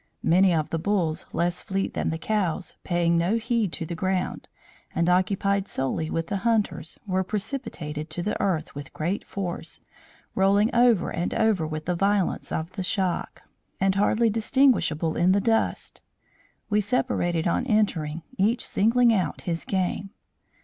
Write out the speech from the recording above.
Many of the bulls, less fleet than the cows, paying no heed to the ground, and occupied solely with the hunters, were precipitated to the earth with great force, rolling over and over with the violence of the shock, and hardly distinguishable in the dust. We separated, on entering, each singling out his game.